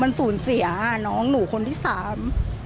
มันสูญเสียน้องหนูคนที่สาม